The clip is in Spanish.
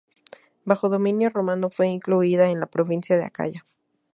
Bajo dominio romano fue incluida en la provincia de Acaya.